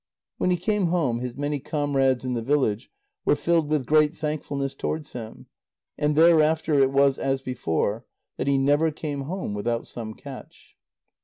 When he came home, his many comrades in the village were filled with great thankfulness towards him. And thereafter it was as before; that he never came home without some catch.